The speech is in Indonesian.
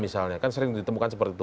sering ditemukan seperti itu